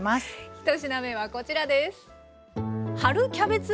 １品目はこちらです。